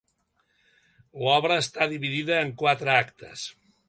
L'obra està dividida en quatre actes.